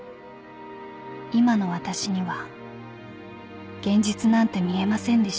［今の私には現実なんて見えませんでした］